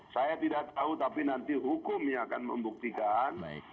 saya tidak tahu tapi nanti hukumnya akan membuktikan